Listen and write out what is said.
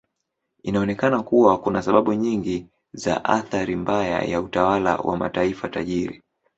Inaonekana kuwa kuna sababu nyingi za athari mbaya ya utawala wa mataifa tajiri.